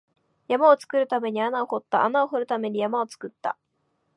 山を作るために穴を掘った、穴を掘るために山を作った